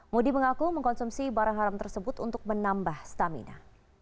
moody mengaku mengkonsumsi barang haram tersebut untuk menambah stamina